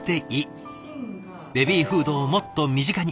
ベビーフードをもっと身近に。